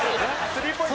スリーポイント。